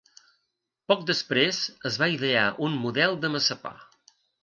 Poc després es va idear un model de massapà.